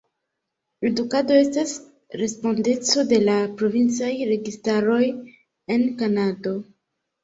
Edukado estas respondeco de la provincaj registaroj en Kanado.